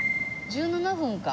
１７分か。